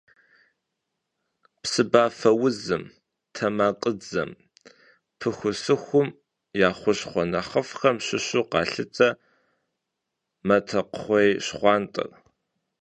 Псыбафэузым, тэмакъыдзэм, пыхусыхум я хущхъуэ нэхъыфӏхэм щыщу къалъытэ матэкхъуейщхъуантӏэр.